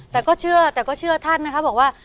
แต่ก็เชื่อท่านนะครับบอกว่า